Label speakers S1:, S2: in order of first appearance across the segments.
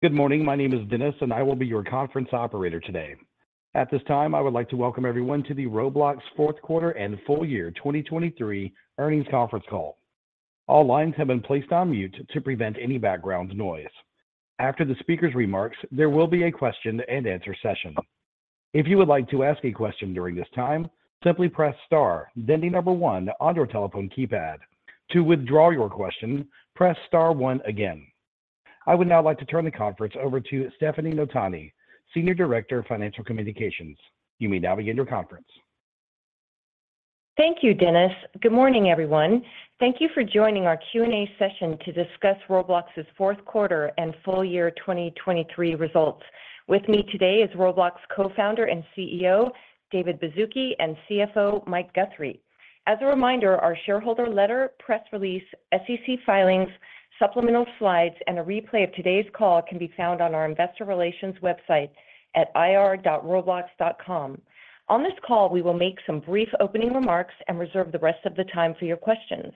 S1: Good morning, my name is Dennis, and I will be your conference operator today. At this time, I would like to welcome everyone to the Roblox Q4 and full year 2023 earnings conference call. All lines have been placed on mute to prevent any background noise. After the speaker's remarks, there will be a question-and-answer session. If you would like to ask a question during this time, simply press star, then the number 1 on your telephone keypad. To withdraw your question, press star 1 again. I would now like to turn the conference over to Stefanie Notaney, Senior Director of Financial Communications. You may now begin your conference.
S2: Thank you, Dennis. Good morning, everyone. Thank you for joining our Q&A session to discuss Roblox's Q4 and full year 2023 results. With me today is Roblox Co-founder and CEO, David Baszucki, and CFO, Mike Guthrie. As a reminder, our shareholder letter, press release, SEC filings, supplemental slides, and a replay of today's call can be found on our investor relations website at ir.roblox.com. On this call, we will make some brief opening remarks and reserve the rest of the time for your questions.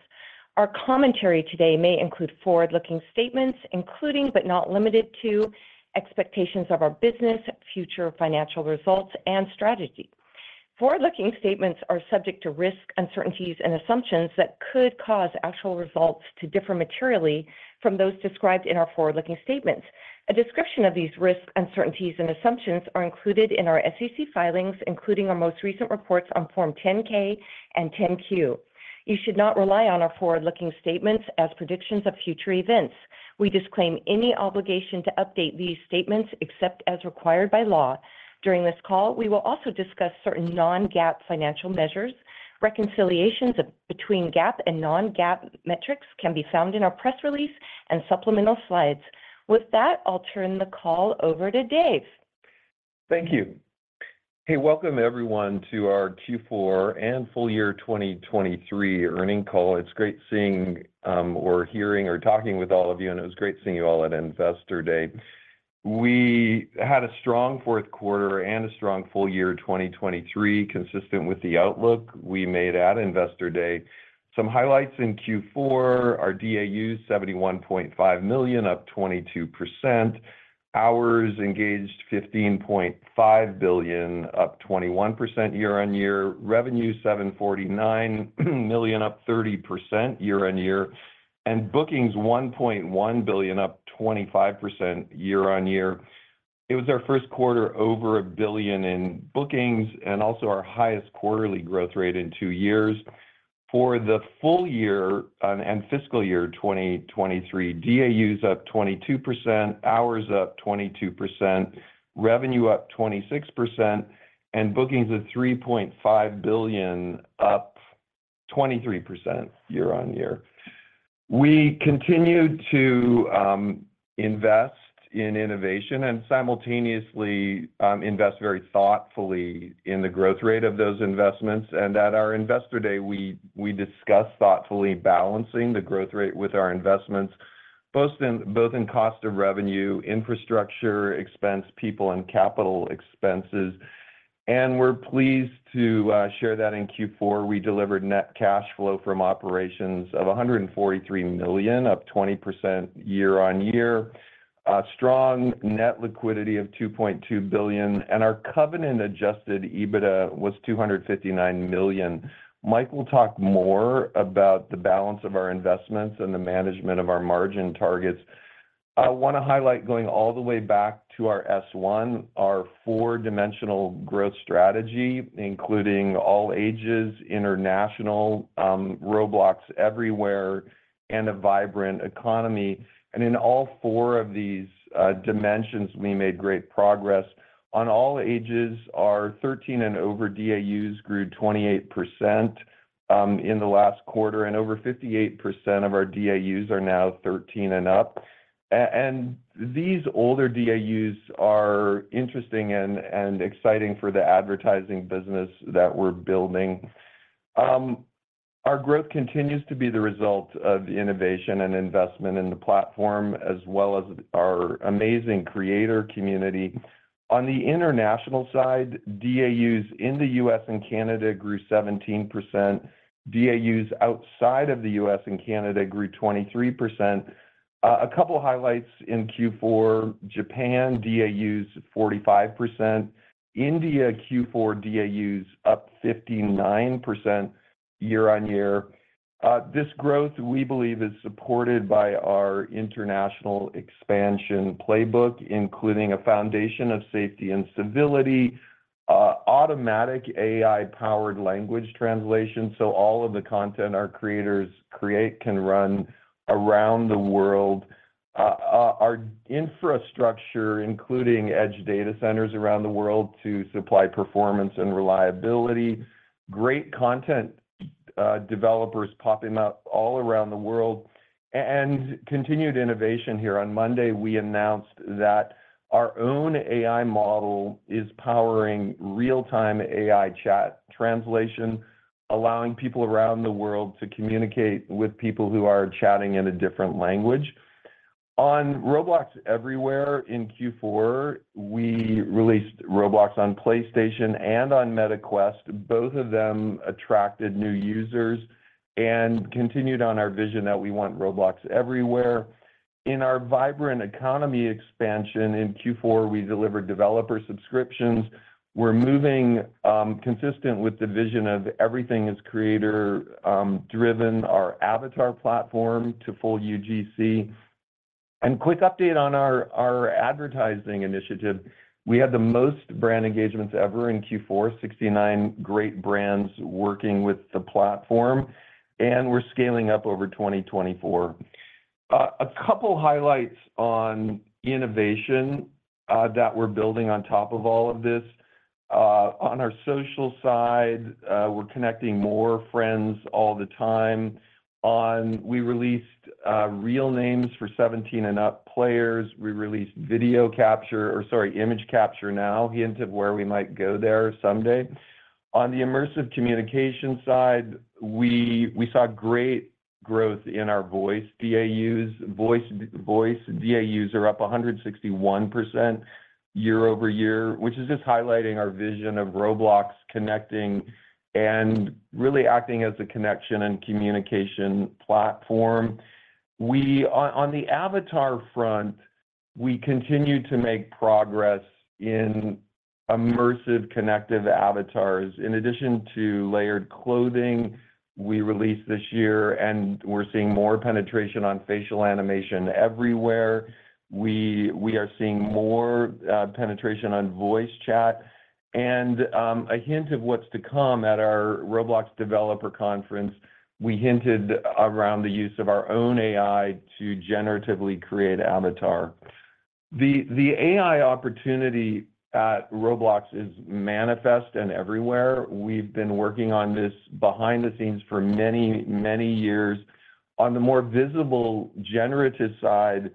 S2: Our commentary today may include forward-looking statements, including, but not limited to, expectations of our business, future financial results, and strategy. Forward-looking statements are subject to risks, uncertainties, and assumptions that could cause actual results to differ materially from those described in our forward-looking statements. A description of these risks, uncertainties, and assumptions are included in our SEC filings, including our most recent reports on Form 10-K and 10-Q. You should not rely on our forward-looking statements as predictions of future events. We disclaim any obligation to update these statements except as required by law. During this call, we will also discuss certain non-GAAP financial measures. Reconciliations between GAAP and non-GAAP metrics can be found in our press release and supplemental slides. With that, I'll turn the call over to Dave.
S3: Thank you. Hey, welcome everyone, to our Q4 and full year 2023 earnings call. It's great seeing, or hearing or talking with all of you, and it was great seeing you all at Investor Day. We had a strong Q4 and a strong full year 2023, consistent with the outlook we made at Investor Day. Some highlights in Q4: our DAU, 71.5 million, up 22%. Hours engaged, 15.5 billion, up 21% year-on-year. Revenue, $749 million, up 30% year-on-year, and bookings $1.1 billion, up 25% year-on-year. It was our Q1 over $1 billion in bookings and also our highest quarterly growth rate in two years. For the full year and fiscal year 2023, DAUs up 22%, hours up 22%, revenue up 26%, and bookings of $3.5 billion, up 23% year-on-year. We continued to invest in innovation and simultaneously invest very thoughtfully in the growth rate of those investments, and at our Investor Day, we discussed thoughtfully balancing the growth rate with our investments, both in cost of revenue, infrastructure, expense, people, and capital expenses. We're pleased to share that in Q4, we delivered net cash flow from operations of $143 million, up 20% year-on-year. Strong net liquidity of $2.2 billion, and covenant-Adjusted EBITDA was $259 million. Mike will talk more about the balance of our investments and the management of our margin targets. I want to highlight, going all the way back to our S-1, our four-dimensional growth strategy, including all ages, international, Roblox Everywhere, and a vibrant economy. And in all four of these dimensions, we made great progress. On all ages, our 13 and over DAUs grew 28% in the last quarter, and over 58% of our DAUs are now 13 and up. And these older DAUs are interesting and exciting for the advertising business that we're building. Our growth continues to be the result of innovation and investment in the platform, as well as our amazing creator community. On the international side, DAUs in the U.S. and Canada grew 17%. DAUs outside of the U.S. and Canada grew 23%. A couple of highlights in Q4, Japan, DAUs, 45%. India, Q4, DAUs up 59% year-over-year. This growth, we believe, is supported by our international expansion playbook, including a foundation of safety and civility, automatic AI-powered language translation, so all of the content our creators create can run around the world. Our infrastructure, including edge data centers around the world to supply performance and reliability, great content, developers popping up all around the world, and continued innovation here. On Monday, we announced that our own AI model is powering real-time AI chat translation, allowing people around the world to communicate with people who are chatting in a different language. On Roblox Everywhere, in Q4, we released Roblox on PlayStation and on Meta Quest. Both of them attracted new users and continued on our vision that we want Roblox Everywhere. In our vibrant economy expansion in Q4, we delivered developer subscriptions. We're moving consistent with the vision of everything is creator driven, our avatar platform to full UGC. Quick update on our advertising initiative: We had the most brand engagements ever in Q4, 69 great brands working with the platform, and we're scaling up over 2024. A couple highlights on innovation that we're building on top of all of this. On our social side, we're connecting more friends all the time. We released real names for 17 and up players. We released video capture, or sorry, image capture now, hint of where we might go there someday. On the immersive communication side, we saw great growth in our voice DAUs. Voice DAUs are up 161% year-over-year, which is just highlighting our vision of Roblox connecting and really acting as a connection and communication platform. On the avatar front, we continue to make progress in immersive, connective avatars. In addition to layered clothing, we released this year, and we're seeing more penetration on facial animation everywhere. We are seeing more penetration on voice chat and a hint of what's to come at our Roblox Developer Conference, we hinted around the use of our own AI to generatively create avatar. The AI opportunity at Roblox is manifest and everywhere. We've been working on this behind the scenes for many, many years. On the more visible, generative side,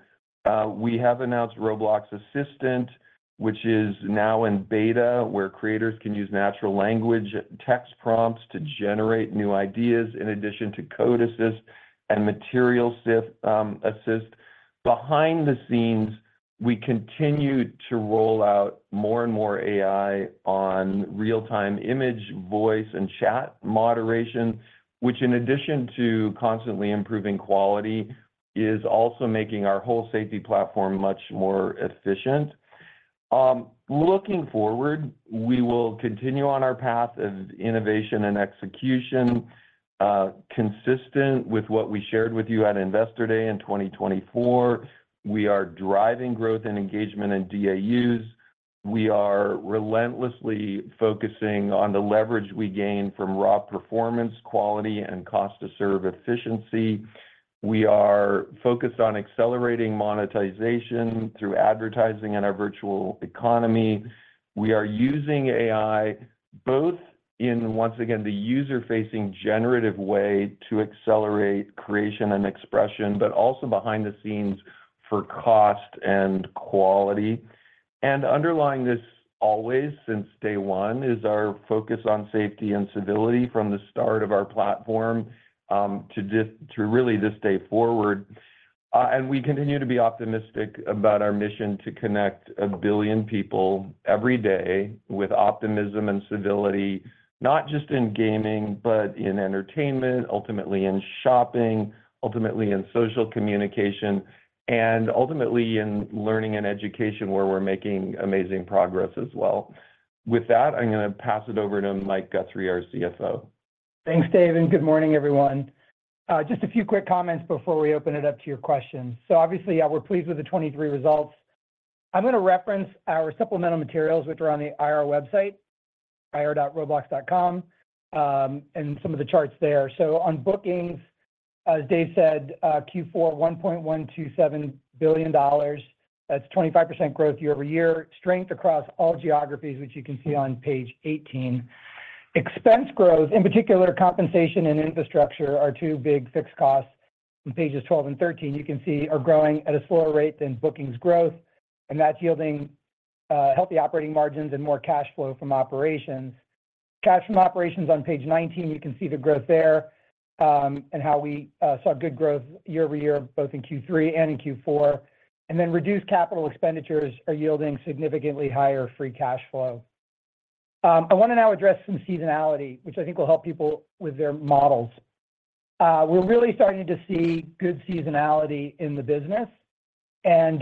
S3: we have announced Roblox Assistant, which is now in beta, where creators can use natural language text prompts to generate new ideas, in addition to Code Assist and Material Assist. Behind the scenes, we continued to roll out more and more AI on real-time image, voice, and chat moderation, which, in addition to constantly improving quality, is also making our whole safety platform much more efficient. Looking forward, we will continue on our path of innovation and execution, consistent with what we shared with you at Investor Day in 2024. We are driving growth and engagement in DAUs. We are relentlessly focusing on the leverage we gain from raw performance, quality, and cost to serve efficiency. We are focused on accelerating monetization through advertising in our virtual economy. We are using AI, both in, once again, the user-facing generative way to accelerate creation and expression, but also behind the scenes for cost and quality. And underlying this, always, since day one, is our focus on safety and civility from the start of our platform to really this day forward. We continue to be optimistic about our mission to connect a billion people every day with optimism and civility, not just in gaming, but in entertainment, ultimately in shopping, ultimately in social communication, and ultimately in learning and education, where we're making amazing progress as well. With that, I'm going to pass it over to Mike Guthrie, our CFO.
S4: Thanks, Dave, and good morning, everyone. Just a few quick comments before we open it up to your questions. So obviously, yeah, we're pleased with the 2023 results. I'm going to reference our supplemental materials, which are on the IR website, ir.roblox.com, and some of the charts there. So on bookings, as Dave said, Q4, $1.127 billion. That's 25% growth year-over-year. Strength across all geographies, which you can see on page 18. Expense growth, in particular, compensation and infrastructure, are two big fixed costs. On pages 12 and 13, you can see are growing at a slower rate than bookings growth, and that's yielding healthy operating margins and more cash flow from operations. Cash from operations on page 19, you can see the growth there, and how we saw good growth year-over-year, both in Q3 and in Q4. And then reduced capital expenditures are yielding significantly higher free cash flow. I want to now address some seasonality, which I think will help people with their models. We're really starting to see good seasonality in the business, and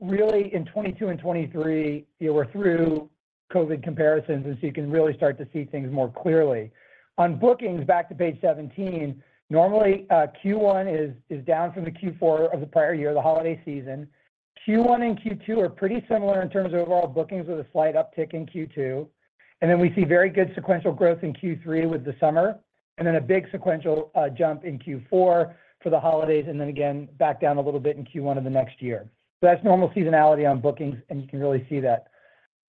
S4: really in 2022 and 2023, we're through COVID comparisons, and so you can really start to see things more clearly. On bookings, back to page 17, normally, Q1 is down from the Q4 of the prior year, the holiday season. Q1 and Q2 are pretty similar in terms of overall bookings, with a slight uptick in Q2. Then we see very good sequential growth in Q3 with the summer, and then a big sequential jump in Q4 for the holidays, and then again, back down a little bit in Q1 of the next year. So that's normal seasonality on bookings, and you can really see that.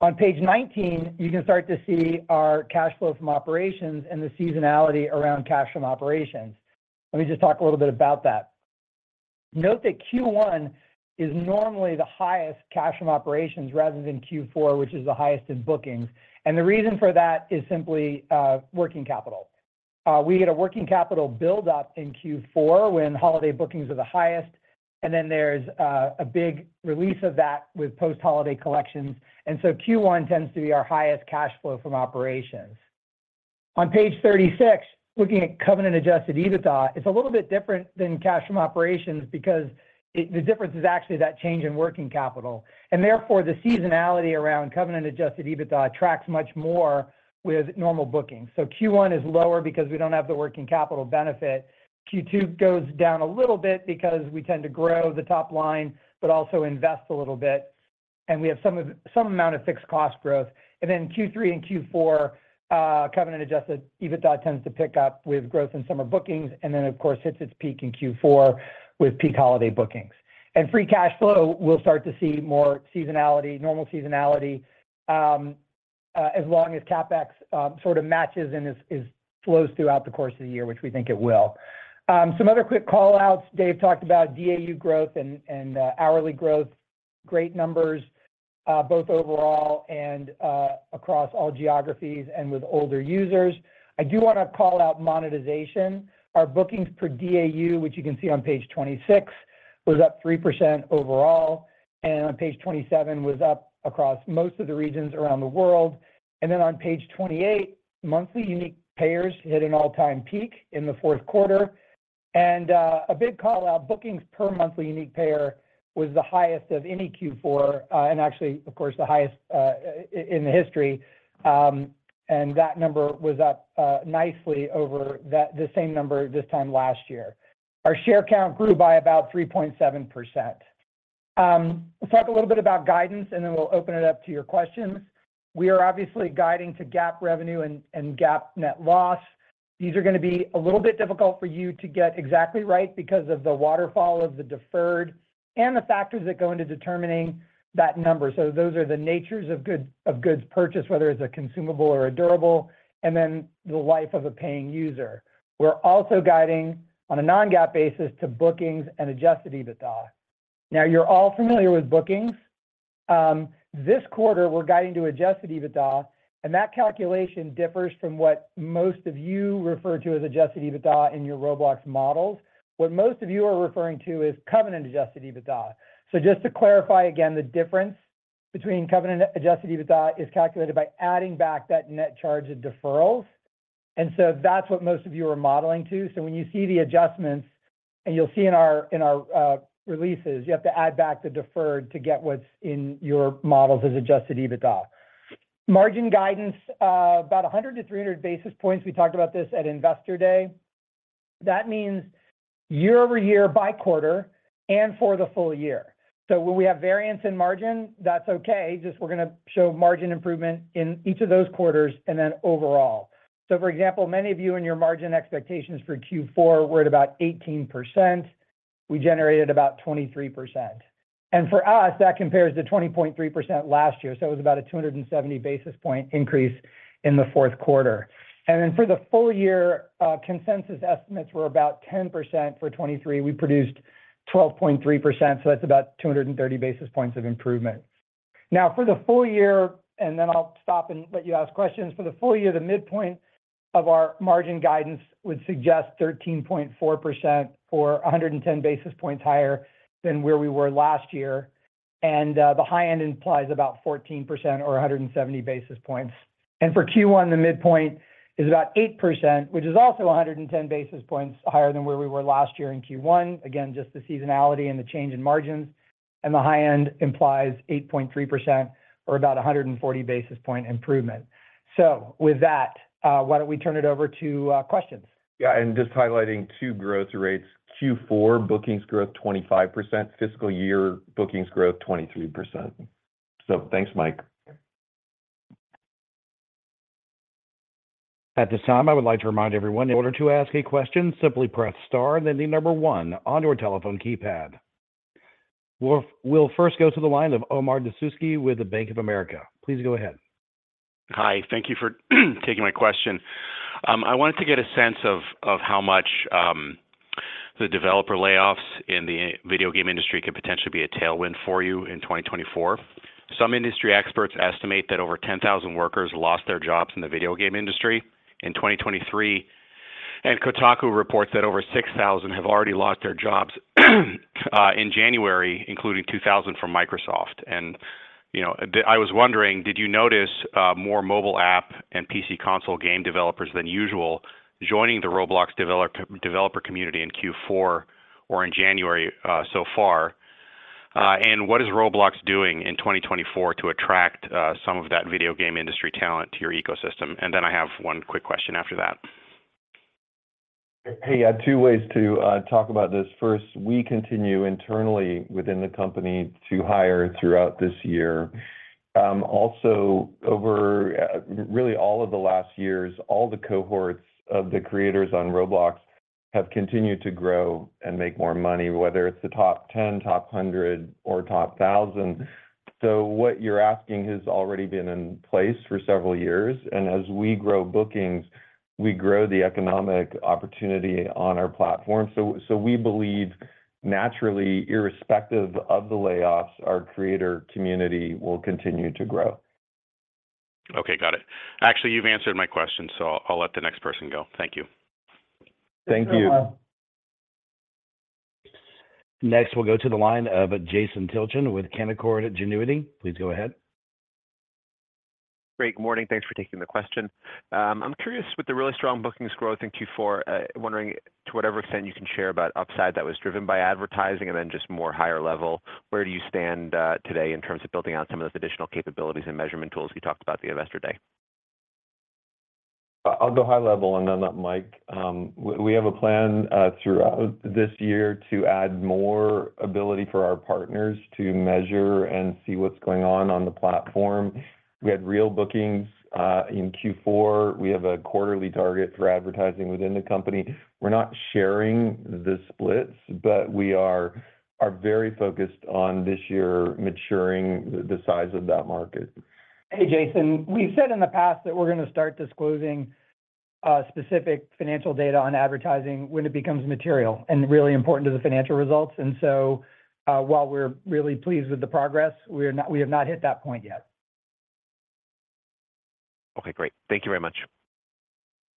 S4: On page 19, you can start to see our cash flow from operations and the seasonality around cash from operations. Let me just talk a little bit about that. Note that Q1 is normally the highest cash from operations rather than Q4, which is the highest in bookings. The reason for that is simply working capital. We had a working capital build-up in Q4 when holiday bookings are the highest, and then there's a big release of that with post-holiday collections, and so Q1 tends to be our highest cash flow from operations. On page 36, looking covenant-Adjusted EBITDA, it's a little bit different than cash from operations because the difference is actually that change in working capital. And therefore, the seasonality covenant-Adjusted EBITDA tracks much more with normal bookings. So Q1 is lower because we don't have the working capital benefit. Q2 goes down a little bit because we tend to grow the top line, but also invest a little bit, and we have some of, some amount of fixed cost growth. And then Q3 and covenant-Adjusted EBITDA tends to pick up with growth in summer bookings, and then, of course, hits its peak in Q4 with peak holiday bookings. And free cash flow, we'll start to see more seasonality, normal seasonality, as long as CapEx sort of matches and flows throughout the course of the year, which we think it will. Some other quick call-outs. Dave talked about DAU growth and hourly growth, great numbers, both overall and across all geographies and with older users. I do want to call out monetization. Our bookings per DAU, which you can see on page 26, was up 3% overall, and on page 27, was up across most of the regions around the world. And then on page 28, monthly unique payers hit an all-time peak in the Q4. A big call-out, bookings per monthly unique payer was the highest of any Q4, and actually, of course, the highest in the history. And that number was up nicely over the same number this time last year. Our share count grew by about 3.7%. Let's talk a little bit about guidance, and then we'll open it up to your questions. We are obviously guiding to GAAP revenue and GAAP net loss. These are going to be a little bit difficult for you to get exactly right because of the waterfall of the deferred and the factors that go into determining that number. So those are the natures of goods purchased, whether it's a consumable or a durable, and then the life of a paying user. We're also guiding on a non-GAAP basis to bookings and Adjusted EBITDA. Now, you're all familiar with bookings. This quarter, we're guiding to Adjusted EBITDA, and that calculation differs from what most of you refer to as Adjusted EBITDA in your Roblox models. What most of you are referring to covenant-Adjusted EBITDA. so just to clarify again, the difference covenant-Adjusted EBITDA is calculated by adding back that net charge of deferrals, and so that's what most of you are modeling to. So when you see the adjustments, and you'll see in our releases, you have to add back the deferred to get what's in your models as Adjusted EBITDA. Margin guidance, about 100-300 basis points, we talked about this at Investor Day. That means year-over-year by quarter and for the full year. So when we have variance in margin, that's okay. Just we're going to show margin improvement in each of those quarters and then overall. So for example, many of you in your margin expectations for Q4 were at about 18%. We generated about 23%. And for us, that compares to 20.3% last year, so it was about a 270 basis point increase in the Q4. And then for the full year, consensus estimates were about 10%. For 2023, we produced 12.3%, so that's about 230 basis points of improvement. Now, for the full year, and then I'll stop and let you ask questions. For the full year, the midpoint of our margin guidance would suggest 13.4% or 110 basis points higher than where we were last year. The high end implies about 14% or 170 basis points. For Q1, the midpoint is about 8%, which is also 110 basis points higher than where we were last year in Q1. Again, just the seasonality and the change in margins, and the high end implies 8.3% or about 140 basis point improvement. With that, why don't we turn it over to questions?
S3: Yeah, and just highlighting two growth rates. Q4, bookings growth, 25%, fiscal year bookings growth, 23%. So thanks, Mike.
S1: At this time, I would like to remind everyone, in order to ask a question, simply press star and then the number one on to your telephone keypad. We'll first go to the line of Omar Dessouky with Bank of America. Please go ahead.
S5: Hi, thank you for taking my question. I wanted to get a sense of how much the developer layoffs in the video game industry could potentially be a tailwind for you in 2024. Some industry experts estimate that over 10,000 workers lost their jobs in the video game industry in 2023, and Kotaku reports that over 6,000 have already lost their jobs in January, including 2,000 from Microsoft. And, you know, I was wondering, did you notice more mobile app and PC console game developers than usual joining the Roblox developer community in Q4 or in January so far? And what is Roblox doing in 2024 to attract some of that video game industry talent to your ecosystem? And then I have one quick question after that.
S3: Hey, yeah, two ways to talk about this. First, we continue internally within the company to hire throughout this year. Also over really all of the last years, all the cohorts of the creators on Roblox have continued to grow and make more money, whether it's the top 10, top 100, or top 1,000. So what you're asking has already been in place for several years, and as we grow bookings, we grow the economic opportunity on our platform. So, so we believe, naturally, irrespective of the layoffs, our creator community will continue to grow.
S5: Okay, got it. Actually, you've answered my question, so I'll let the next person go. Thank you.
S3: Thank you....
S1: Next, we'll go to the line of Jason Tilchen with Canaccord Genuity. Please go ahead.
S6: Great, good morning. Thanks for taking the question. I'm curious, with the really strong bookings growth in Q4, wondering to whatever extent you can share about upside that was driven by advertising, and then just more higher level, where do you stand, today in terms of building out some of those additional capabilities and measurement tools you talked about at the Investor Day?
S3: I'll go high level, and then Mike. We have a plan throughout this year to add more ability for our partners to measure and see what's going on on the platform. We had real bookings in Q4. We have a quarterly target for advertising within the company. We're not sharing the splits, but we are very focused on this year maturing the size of that market.
S4: Hey, Jason. We've said in the past that we're going to start disclosing, specific financial data on advertising when it becomes material and really important to the financial results. And so, while we're really pleased with the progress, we are not, we have not hit that point yet.
S6: Okay, great. Thank you very much.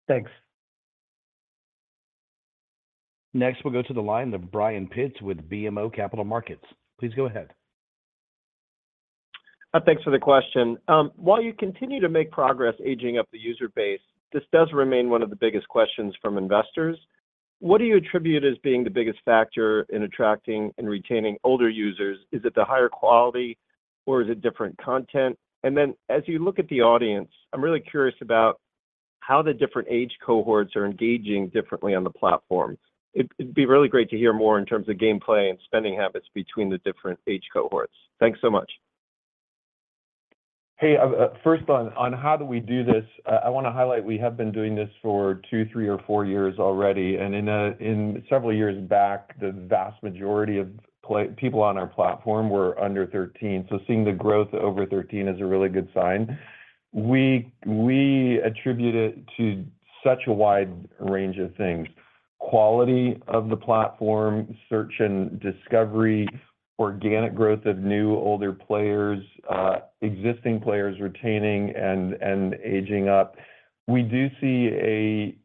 S4: Thanks.
S1: Next, we'll go to the line of Brian Pitz with BMO Capital Markets. Please go ahead.
S7: Thanks for the question. While you continue to make progress aging up the user base, this does remain one of the biggest questions from investors: What do you attribute as being the biggest factor in attracting and retaining older users? Is it the higher quality, or is it different content? And then, as you look at the audience, I'm really curious about how the different age cohorts are engaging differently on the platform. It'd be really great to hear more in terms of gameplay and spending habits between the different age cohorts. Thanks so much.
S3: Hey, first on how do we do this, I want to highlight we have been doing this for 2, 3, or 4 years already, and in several years back, the vast majority of people on our platform were under 13. So seeing the growth over 13 is a really good sign. We attribute it to such a wide range of things: quality of the platform, search and discovery, organic growth of new, older players, existing players retaining and aging up. We do see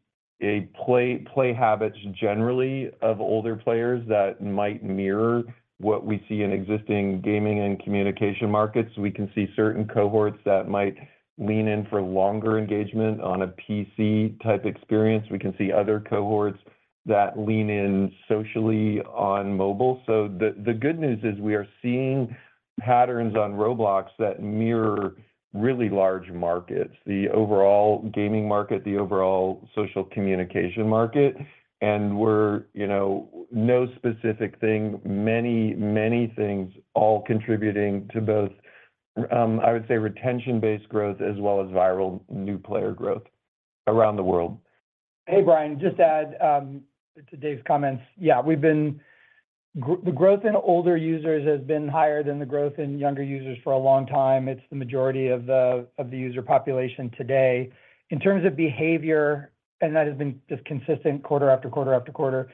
S3: play habits generally of older players that might mirror what we see in existing gaming and communication markets. We can see certain cohorts that might lean in for longer engagement on a PC-type experience. We can see other cohorts that lean in socially on mobile. So the good news is, we are seeing patterns on Roblox that mirror really large markets, the overall gaming market, the overall social communication market, and we're, you know, no specific thing, many, many things all contributing to both, I would say, retention-based growth as well as viral new player growth around the world.
S4: Hey, Brian, just to add to Dave's comments, yeah, the growth in older users has been higher than the growth in younger users for a long time. It's the majority of the user population today. In terms of behavior, that has been just consistent quarter after quarter after quarter.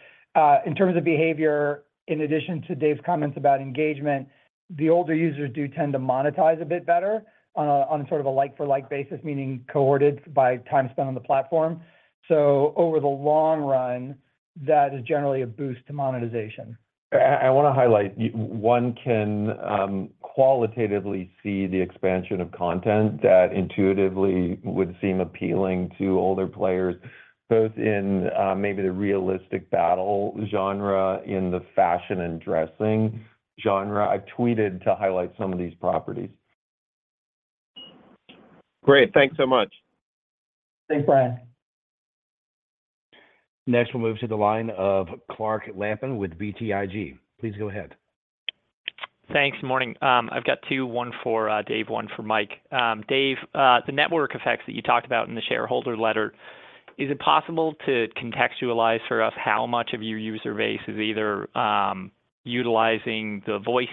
S4: In terms of behavior, in addition to Dave's comments about engagement, the older users do tend to monetize a bit better on a sort of a like for like basis, meaning cohorted by time spent on the platform. So over the long run, that is generally a boost to monetization.
S3: I want to highlight, one can qualitatively see the expansion of content that intuitively would seem appealing to older players, both in maybe the realistic battle genre, in the fashion and dressing genre. I've tweeted to highlight some of these properties.
S7: Great. Thanks so much.
S4: Thanks, Brian.
S1: Next, we'll move to the line of Clark Lampen with BTIG. Please go ahead.
S8: Thanks. Morning. I've got two, one for Dave, one for Mike. Dave, the network effects that you talked about in the shareholder letter, is it possible to contextualize for us how much of your user base is either utilizing the voice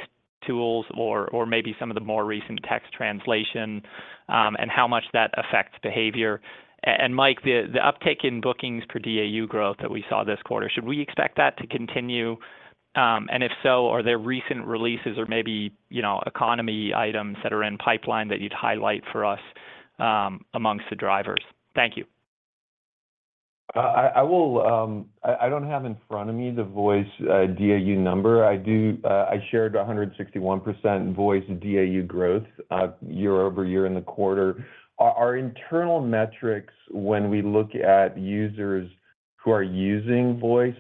S8: tools or maybe some of the more recent text translation, and how much that affects behavior? And Mike, the uptick in bookings per DAU growth that we saw this quarter, should we expect that to continue? And if so, are there recent releases or maybe, you know, economy items that are in pipeline that you'd highlight for us, amongst the drivers? Thank you.
S3: I don't have in front of me the voice DAU number. I do, I shared 161% voice DAU growth year-over-year in the quarter. Our internal metrics, when we look at users who are using voice,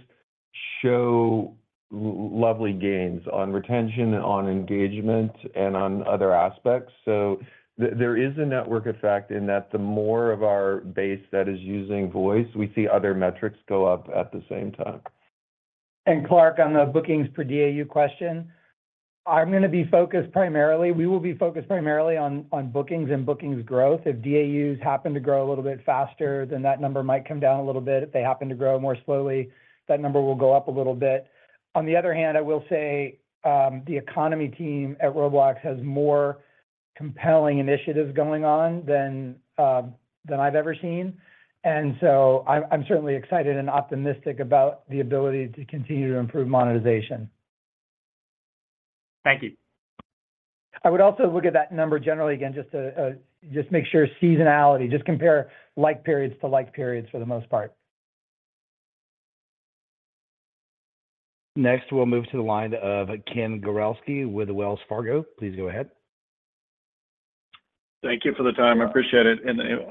S3: show lovely gains on retention, on engagement, and on other aspects. So there is a network effect in that the more of our base that is using voice, we see other metrics go up at the same time.
S4: Clark, on the bookings per DAU question, I'm going to be focused primarily, we will be focused primarily on bookings and bookings growth. If DAUs happen to grow a little bit faster, then that number might come down a little bit. If they happen to grow more slowly, that number will go up a little bit. On the other hand, I will say, the economy team at Roblox has more compelling initiatives going on than I've ever seen, and so I'm certainly excited and optimistic about the ability to continue to improve monetization. ...
S8: Thank you.
S4: I would also look at that number generally again, just to just make sure seasonality, just compare like periods to like periods for the most part.
S1: Next, we'll move to the line of Ken Gawrelski with Wells Fargo. Please go ahead.
S9: Thank you for the time. I appreciate it and the,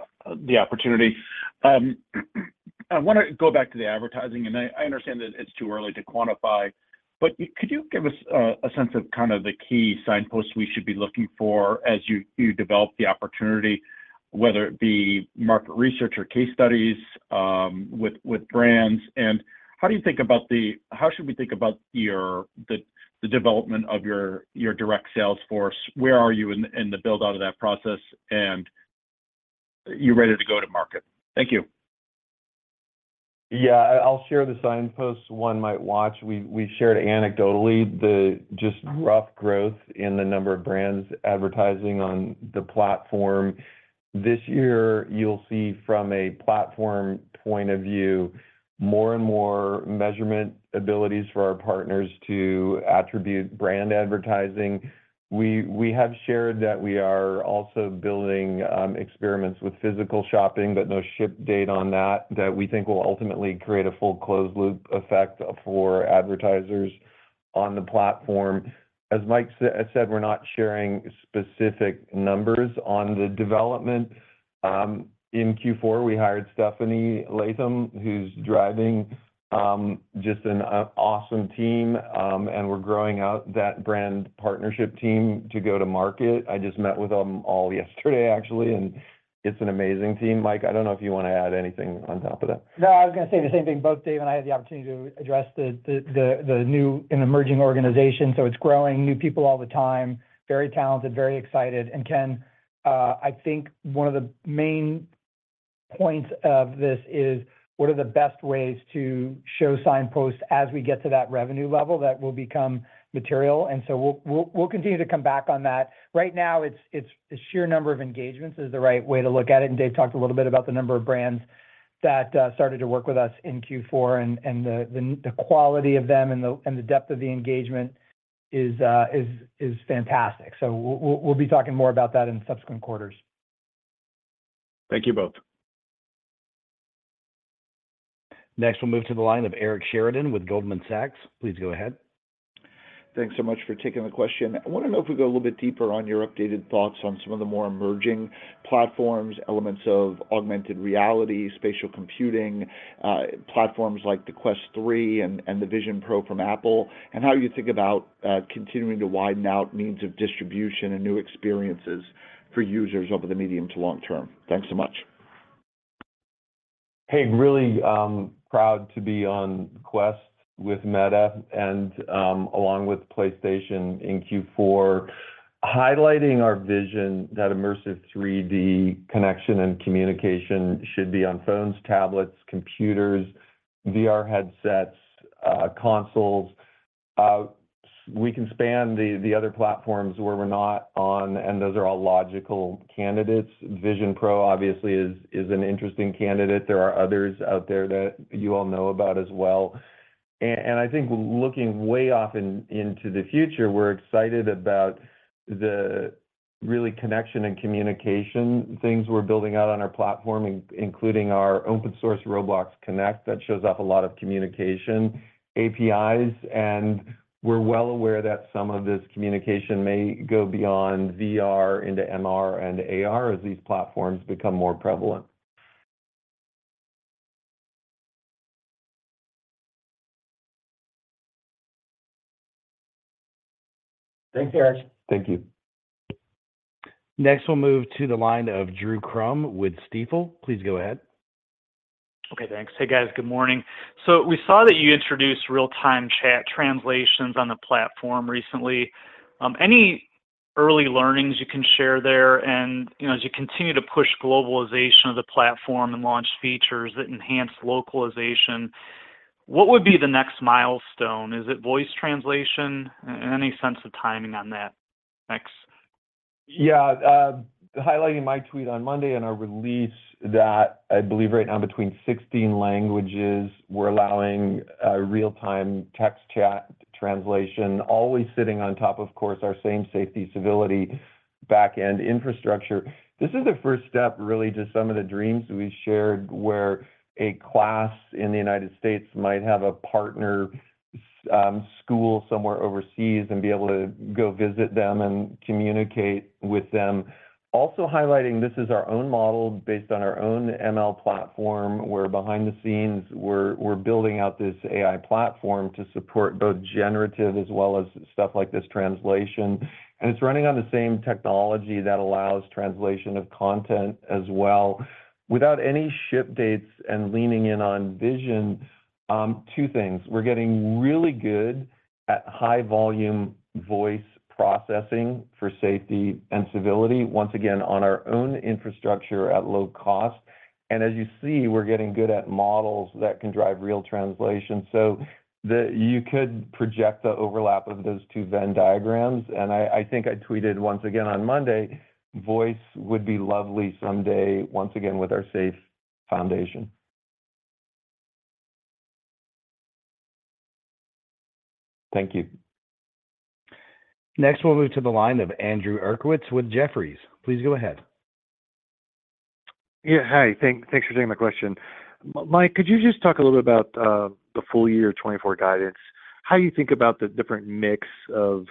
S9: the opportunity. I wanna go back to the advertising, and I, I understand that it's too early to quantify, but could you give us, a sense of kind of the key signposts we should be looking for as you, you develop the opportunity, whether it be market research or case studies, with, with brands? And how do you think about the- how should we think about your, the, the development of your, your direct sales force? Where are you in the, in the build-out of that process, and are you ready to go to market? Thank you.
S3: Yeah, I'll share the signposts one might watch. We shared anecdotally the just rough growth in the number of brands advertising on the platform. This year, you'll see from a platform point of view, more and more measurement abilities for our partners to attribute brand advertising. We have shared that we are also building experiments with physical shopping, but no ship date on that, that we think will ultimately create a full closed-loop effect for advertisers on the platform. As Mike said, we're not sharing specific numbers on the development. In Q4, we hired Stephanie Latham, who's driving just an awesome team, and we're growing out that brand partnership team to go to market. I just met with them all yesterday, actually, and it's an amazing team. Mike, I don't know if you wanna add anything on top of that.
S4: No, I was gonna say the same thing. Both Dave and I had the opportunity to address the new and emerging organization, so it's growing, new people all the time, very talented, very excited. And Ken, I think one of the main points of this is, what are the best ways to show signposts as we get to that revenue level that will become material? And so we'll continue to come back on that. Right now, it's the sheer number of engagements is the right way to look at it, and Dave talked a little bit about the number of brands that started to work with us in Q4, and the quality of them and the depth of the engagement is fantastic. So we'll be talking more about that in subsequent quarters.
S9: Thank you both.
S1: Next, we'll move to the line of Eric Sheridan with Goldman Sachs. Please go ahead.
S10: Thanks so much for taking the question. I wanna know if we go a little bit deeper on your updated thoughts on some of the more emerging platforms, elements of augmented reality, spatial computing, platforms like the Quest 3 and the Vision Pro from Apple, and how you think about continuing to widen out means of distribution and new experiences for users over the medium to long term. Thanks so much.
S3: Hey, really proud to be on Quest with Meta and along with PlayStation in Q4, highlighting our vision that immersive 3D connection and communication should be on phones, tablets, computers, VR headsets, consoles. We can span the other platforms where we're not on, and those are all logical candidates. Vision Pro, obviously, is an interesting candidate. There are others out there that you all know about as well. I think looking way off into the future, we're excited about the real connection and communication things we're building out on our platform, including our open source Roblox Connect that shows off a lot of communication APIs, and we're well aware that some of this communication may go beyond VR into MR and AR as these platforms become more prevalent.
S4: Thanks, Eric.
S3: Thank you.
S1: Next, we'll move to the line of Drew Crum with Stifel. Please go ahead.
S11: Okay, thanks. Hey, guys. Good morning. So we saw that you introduced real-time chat translations on the platform recently. Any early learnings you can share there? And, you know, as you continue to push globalization of the platform and launch features that enhance localization, what would be the next milestone? Is it voice translation? Any sense of timing on that? Thanks.
S3: Yeah, highlighting my tweet on Monday and our release that I believe right now, between 16 languages, we're allowing real-time text chat translation, always sitting on top, of course, our same safety, civility, back-end infrastructure. This is the first step, really, to some of the dreams we shared, where a class in the United States might have a partner school somewhere overseas and be able to go visit them and communicate with them. Also highlighting, this is our own model based on our own ML platform, where behind the scenes, we're building out this AI platform to support both generative as well as stuff like this translation. And it's running on the same technology that allows translation of content as well. Without any ship dates and leaning in on vision, two things: We're getting really good at high-volume voice processing for safety and civility, once again, on our own infrastructure at low cost. And as you see, we're getting good at models that can drive real translation. So you could project the overlap of those two Venn diagrams, and I think I tweeted once again on Monday, voice would be lovely someday, once again, with our safe foundation....
S4: Thank you.
S1: Next, we'll move to the line of Andrew Uerkwitz with Jefferies. Please go ahead.
S12: Yeah, hi. Thanks for taking my question. Mike, could you just talk a little bit about the full year 2024 guidance? How you think about the different mix of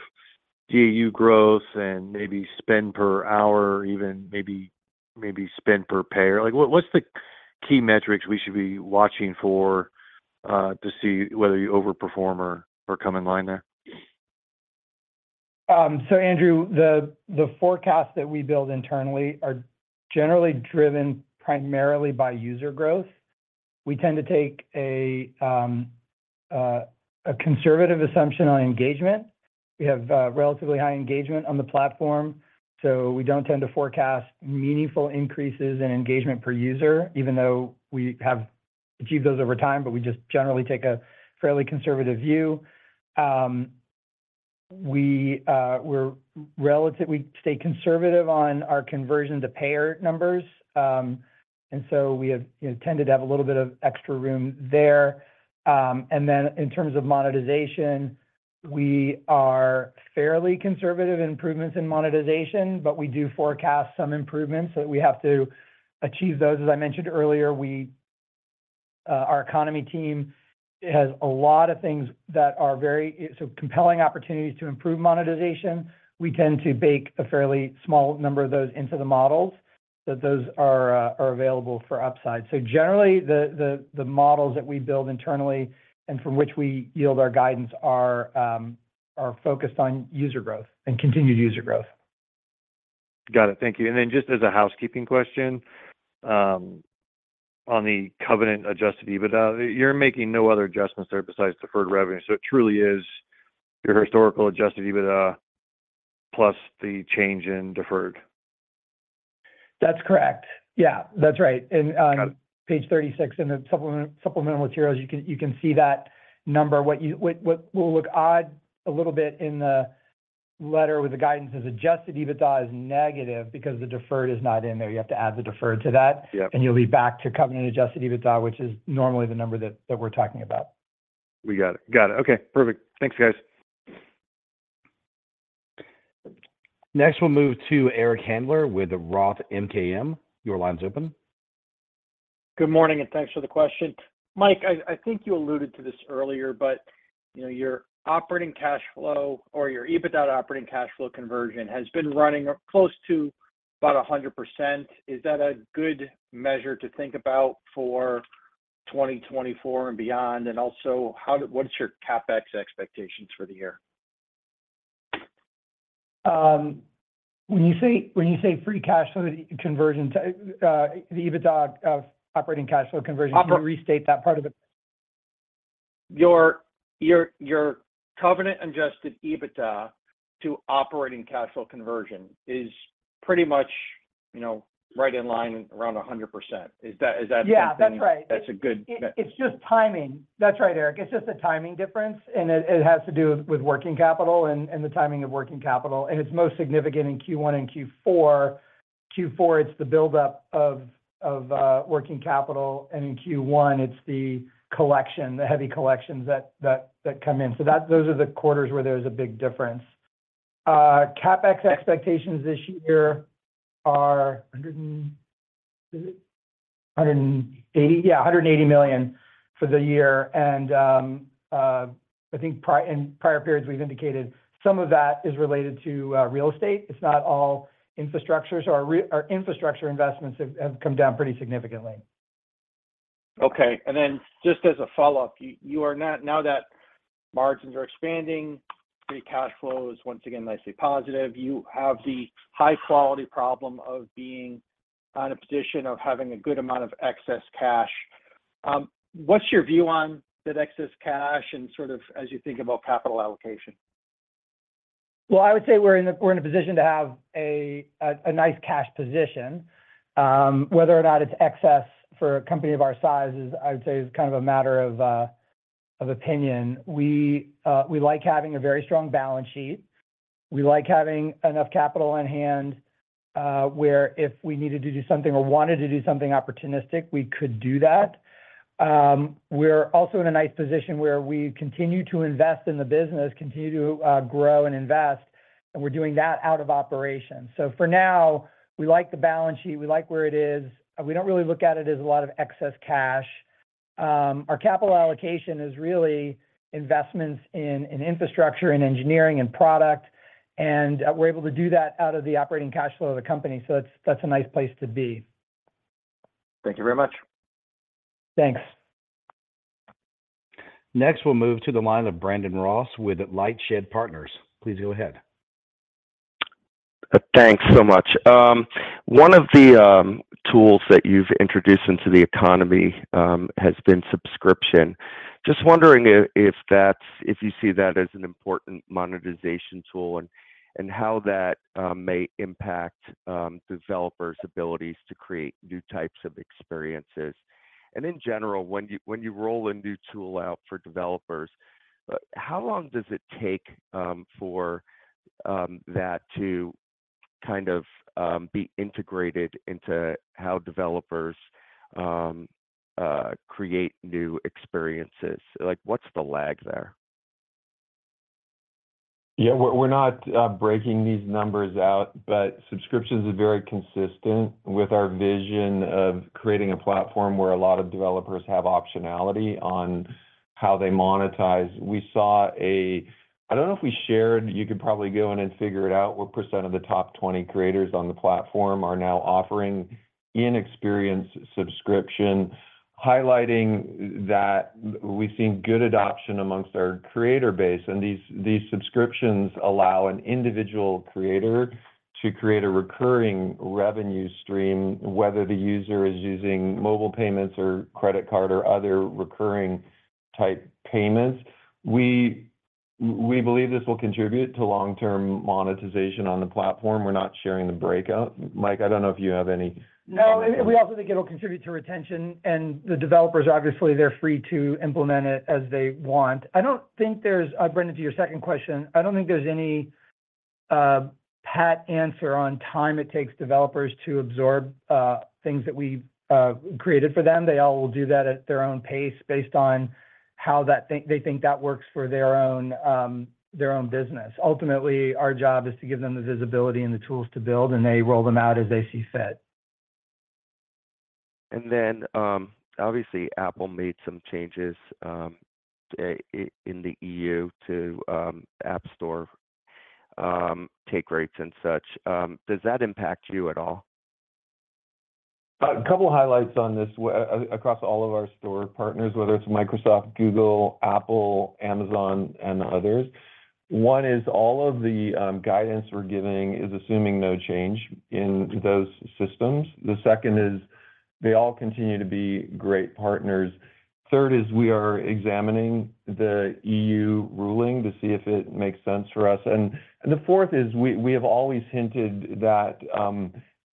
S12: DAU growth and maybe spend per hour, even maybe spend per payer? Like, what's the key metrics we should be watching for to see whether you overperform or come in line there?
S4: So Andrew, the forecast that we build internally are generally driven primarily by user growth. We tend to take a conservative assumption on engagement. We have relatively high engagement on the platform, so we don't tend to forecast meaningful increases in engagement per user, even though we have achieved those over time, but we just generally take a fairly conservative view. We stay conservative on our conversion-to-payer numbers. And so we have, you know, tended to have a little bit of extra room there. And then in terms of monetization, we are fairly conservative in improvements in monetization, but we do forecast some improvements, so we have to achieve those. As I mentioned earlier, our economy team has a lot of things that are very compelling opportunities to improve monetization. We tend to bake a fairly small number of those into the models, so those are available for upside. So generally, the models that we build internally and from which we yield our guidance are focused on user growth and continued user growth.
S12: Got it. Thank you. And then just as a housekeeping question, on covenant-Adjusted EBITDA, you're making no other adjustments there besides deferred revenue. So it truly is your historical Adjusted EBITDA plus the change in deferred.
S4: That's correct. Yeah, that's right.
S12: Got it.
S4: On page 36 in the supplement, supplemental materials, you can see that number. What will look odd a little bit in the letter with the guidance as Adjusted EBITDA is negative because the deferred is not in there. You have to add the deferred to that-
S12: Yep.
S4: - and you'll be back covenant-Adjusted EBITDA, which is normally the number that we're talking about.
S12: We got it. Got it. Okay, perfect. Thanks, guys.
S1: Next, we'll move to Eric Handler with the Roth MKM. Your line's open.
S13: Good morning, and thanks for the question. Mike, I think you alluded to this earlier, but, you know, your operating cash flow or your EBITDA operating cash flow conversion has been running close to about 100%. Is that a good measure to think about for 2024 and beyond? And also, how, what is your CapEx expectations for the year?
S4: When you say, when you say free cash flow conversion to the EBITDA of operating cash flow conversion-
S13: Oper.
S4: Can you restate that part of it?
S13: covenant-Adjusted EBITDA to operating cash flow conversion is pretty much, you know, right in line, around 100%. Is that, is that-
S4: Yeah, that's right.
S13: That's a good-
S4: It's just timing. That's right, Eric. It's just a timing difference, and it has to do with working capital and the timing of working capital. It's most significant in Q1 and Q4. Q4, it's the buildup of working capital, and in Q1, it's the collection, the heavy collections that come in. So those are the quarters where there's a big difference. CapEx expectations this year are 100 and... Is it 100 and 80? Yeah, $180 million for the year. I think in prior periods, we've indicated some of that is related to real estate. It's not all infrastructure. So our infrastructure investments have come down pretty significantly.
S13: Okay. And then just as a follow-up, now that margins are expanding, free cash flow is once again nicely positive. You have the high-quality problem of being in a position of having a good amount of excess cash. What's your view on that excess cash and sort of as you think about capital allocation?
S4: Well, I would say we're in a position to have a nice cash position. Whether or not it's excess for a company of our size is, I would say, kind of a matter of opinion. We like having a very strong balance sheet. We like having enough capital on hand, where if we needed to do something or wanted to do something opportunistic, we could do that. We're also in a nice position where we continue to invest in the business, continue to grow and invest, and we're doing that out of operation. So for now, we like the balance sheet. We like where it is. We don't really look at it as a lot of excess cash. Our capital allocation is really investments in infrastructure, in engineering, in product, and we're able to do that out of the operating cash flow of the company. So it's, that's a nice place to be.
S13: Thank you very much.
S4: Thanks.
S1: Next, we'll move to the line of Brandon Ross with LightShed Partners. Please go ahead.
S14: Thanks so much. One of the tools that you've introduced into the economy has been subscription. Just wondering if you see that as an important monetization tool, and how that may impact developers' abilities to create new types of experiences. In general, when you roll a new tool out for developers, how long does it take for that to kind of be integrated into how developers create new experiences? Like, what's the lag there?
S3: Yeah, we're not breaking these numbers out, but subscriptions is very consistent with our vision of creating a platform where a lot of developers have optionality on how they monetize. We saw—I don't know if we shared, you could probably go in and figure it out, what % of the top 20 creators on the platform are now offering in-experience subscription, highlighting that we've seen good adoption among our creator base. And these subscriptions allow an individual creator to create a recurring revenue stream, whether the user is using mobile payments or credit card or other recurring type payments. We believe this will contribute to long-term monetization on the platform. We're not sharing the breakout. Mike, I don't know if you have any-
S4: No, we, we also think it'll contribute to retention, and the developers, obviously, they're free to implement it as they want. I don't think there's, Brendan, to your second question, I don't think there's any pat answer on time it takes developers to absorb things that we've created for them. They all will do that at their own pace, based on how they think that works for their own, their own business. Ultimately, our job is to give them the visibility and the tools to build, and they roll them out as they see fit.
S14: And then, obviously, Apple made some changes in the EU to App Store take rates and such. Does that impact you at all?
S3: A couple highlights on this across all of our store partners, whether it's Microsoft, Google, Apple, Amazon, and others. One is all of the guidance we're giving is assuming no change in those systems. The second is, they all continue to be great partners. Third is, we are examining the EU ruling to see if it makes sense for us. And the fourth is, we have always hinted that,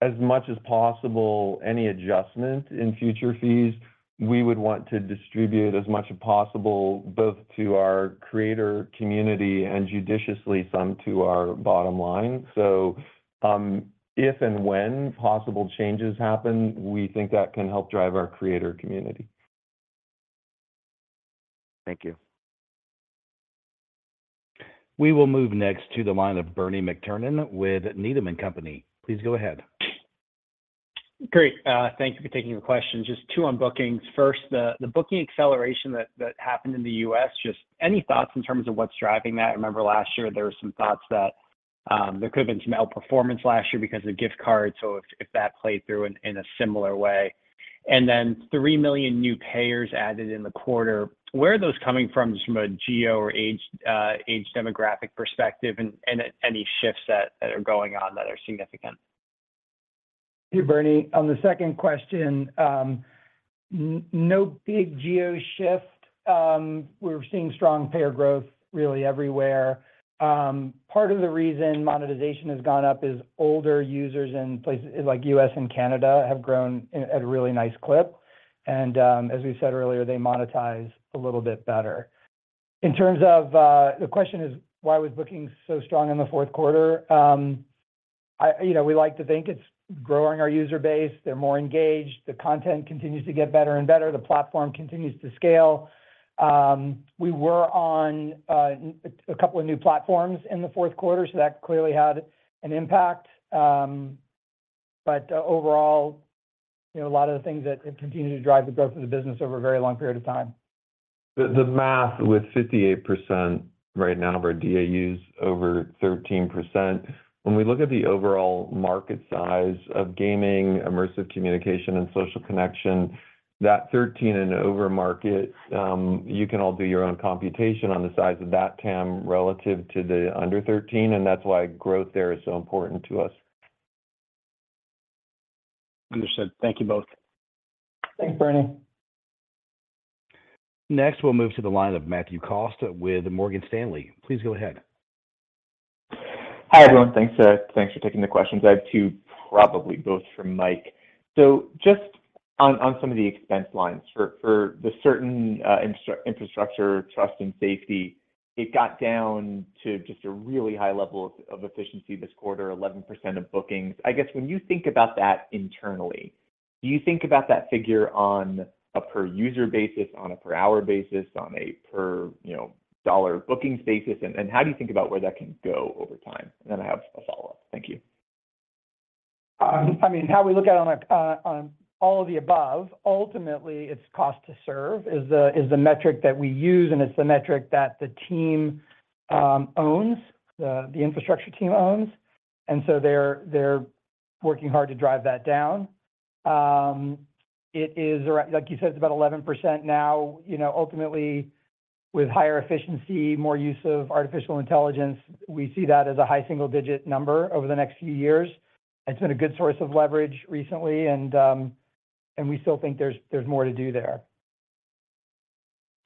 S3: as much as possible, any adjustment in future fees, we would want to distribute as much as possible, both to our creator community and judiciously some to our bottom line. So, if and when possible changes happen, we think that can help drive our creator community.
S14: Thank you.
S1: We will move next to the line of Bernie McTernan with Needham and Company. Please go ahead.
S15: Great. Thank you for taking the question. Just two on bookings. First, the booking acceleration that happened in the U.S., just any thoughts in terms of what's driving that? I remember last year, there were some thoughts that there could have been some outperformance last year because of gift cards, so if that played through in a similar way. And then 3 million new payers added in the quarter, where are those coming from, just from a geo or age age demographic perspective, and any shifts that are going on that are significant?
S4: Hey, Bernie. On the second question, no big geo shift. We're seeing strong payer growth really everywhere. Part of the reason monetization has gone up is older users in places like U.S. and Canada have grown at a really nice clip. And, as we said earlier, they monetize a little bit better. In terms of... The question is, why was booking so strong in the Q4? You know, we like to think it's growing our user base. They're more engaged. The content continues to get better and better. The platform continues to scale. We were on a couple of new platforms in the Q4, so that clearly had an impact. But overall, you know, a lot of the things that continue to drive the growth of the business over a very long period of time.
S3: The math with 58% right now of our DAUs over 13%, when we look at the overall market size of gaming, immersive communication, and social connection, that 13 and over market, you can all do your own computation on the size of that TAM relative to the under 13, and that's why growth there is so important to us.
S15: Understood. Thank you both.
S4: Thanks, Bernie.
S1: Next, we'll move to the line of Matthew Cost with Morgan Stanley. Please go ahead.
S16: Hi, everyone. Thanks for taking the questions. I have two, probably both for Mike. So just on some of the expense lines, for the certain infrastructure, trust, and safety, it got down to just a really high level of efficiency this quarter, 11% of bookings. I guess when you think about that internally, do you think about that figure on a per user basis, on a per hour basis, on a per, you know, dollar bookings basis? And how do you think about where that can go over time? And then I have a follow-up. Thank you.
S4: I mean, how we look at all of the above, ultimately, it's cost to serve, is the metric that we use, and it's the metric that the team owns, the infrastructure team owns. So they're working hard to drive that down. It is around, like you said, it's about 11% now. You know, ultimately, with higher efficiency, more use of artificial intelligence, we see that as a high single-digit number over the next few years. It's been a good source of leverage recently, and we still think there's more to do there.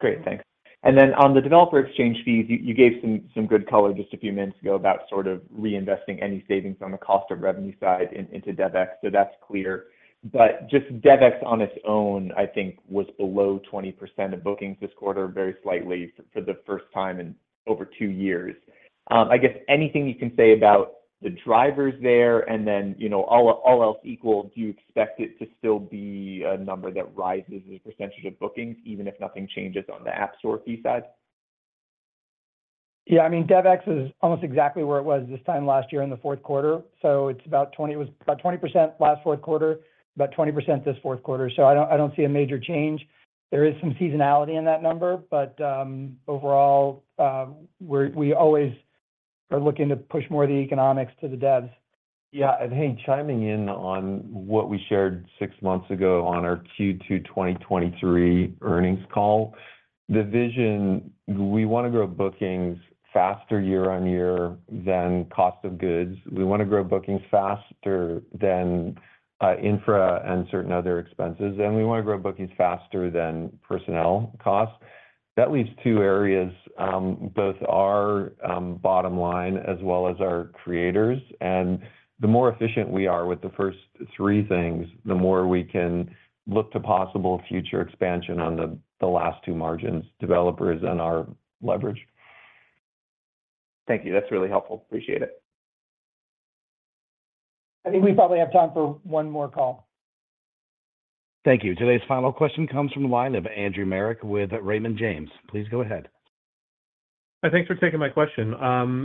S16: Great, thanks. And then on the Developer Exchange fees, you gave some good color just a few minutes ago about sort of reinvesting any savings on the cost of revenue side into DevEx, so that's clear. But just DevEx on its own, I think, was below 20% of bookings this quarter, very slightly, for the first time in over two years... I guess anything you can say about the drivers there, and then, you know, all else equal, do you expect it to still be a number that rises as a percentage of bookings, even if nothing changes on the App Store fee side?
S4: Yeah, I mean, DevEx is almost exactly where it was this time last year in the Q4. So it's about 20% last Q4, about 20% this Q4. So I don't, I don't see a major change. There is some seasonality in that number, but overall, we're always looking to push more of the economics to the devs.
S3: Yeah, and hey, chiming in on what we shared six months ago on our Q2 2023 earnings call. The vision, we want to grow bookings faster year-over-year than cost of goods. We want to grow bookings faster than infra and certain other expenses, and we want to grow bookings faster than personnel costs. That leaves two areas, both our bottom line as well as our creators. And the more efficient we are with the first three things, the more we can look to possible future expansion on the last two margins, developers and our leverage.
S16: Thank you. That's really helpful. Appreciate it.
S4: I think we probably have time for one more call.
S1: Thank you. Today's final question comes from the line of Andrew Marok with Raymond James. Please go ahead.
S17: Thanks for taking my question.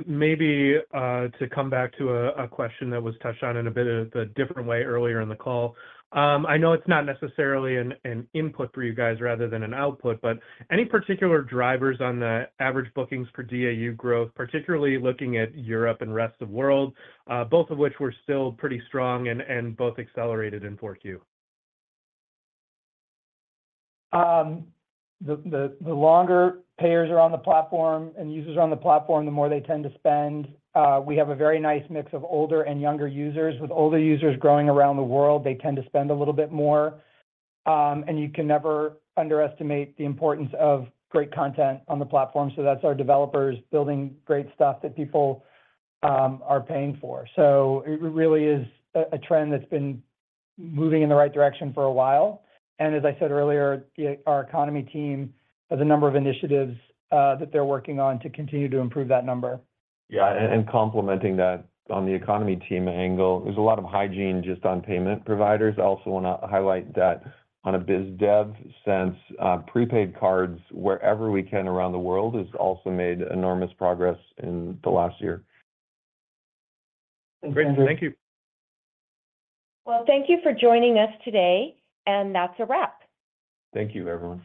S17: Maybe to come back to a question that was touched on in a bit of a different way earlier in the call. I know it's not necessarily an input for you guys rather than an output, but any particular drivers on the average bookings per DAU growth, particularly looking at Europe and rest of world, both of which were still pretty strong and both accelerated in Q4?
S4: The longer payers are on the platform and users are on the platform, the more they tend to spend. We have a very nice mix of older and younger users. With older users growing around the world, they tend to spend a little bit more. And you can never underestimate the importance of great content on the platform. So that's our developers building great stuff that people are paying for. So it really is a trend that's been moving in the right direction for a while. And as I said earlier, our economy team has a number of initiatives that they're working on to continue to improve that number.
S3: Yeah, and complementing that on the economy team angle, there's a lot of hygiene just on payment providers. I also want to highlight that on a biz dev sense, prepaid cards, wherever we can around the world, has also made enormous progress in the last year.
S17: Great. Thank you.
S2: Well, thank you for joining us today, and that's a wrap.
S3: Thank you, everyone.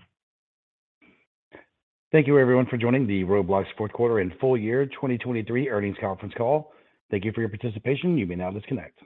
S1: Thank you, everyone, for joining the Roblox Q4 and full year 2023 earnings conference call. Thank you for your participation. You may now disconnect.